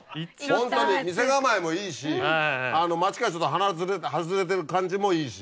ホントに店構えもいいし街から外れてる感じもいいし。